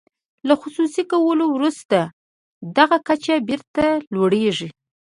له خصوصي کولو وروسته دغه کچه بیرته لوړیږي.